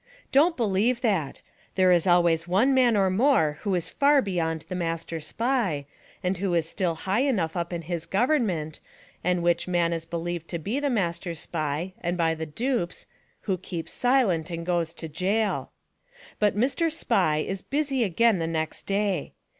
Don't believe that ! There is always one man or more who is far beyond the Master Spy, and who is still high enough up in his government, and which man is believed to be the Master Spy and by the dupes — who keeps silent and goes to jail. But Mr. Spy is busy again the next day.